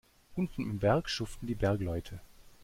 Unten im Berg schuften die Bergleute.